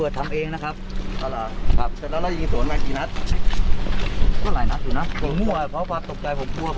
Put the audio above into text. อีกคนต้องเดียวกับว่าตอนนี้โตลาหลังจุดละครับ